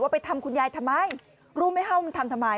ไปทำคุณยายทำไมรู้ไหมคะว่ามันทำทำไม